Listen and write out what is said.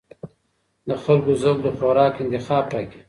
د خلکو ذوق د خوراک انتخاب ټاکي.